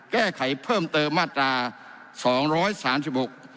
แก้ไขเพิ่มเติมมาตราสองร้อยสามสิบหก